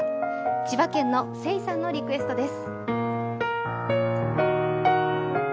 千葉県のＳｅｉさんのリクエストです